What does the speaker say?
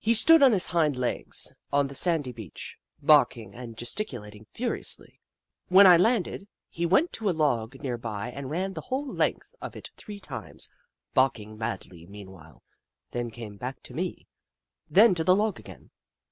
He stood on his hind legs, on the sandy beach, barking and gesticulating furiously. When I landed, he went to a log near by and ran the whole length of it three times, barking madly meanwhile, then back to me, then to the log again.